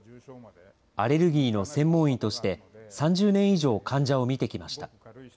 アレルギーの専門医として、３０年以上患者を診てきました。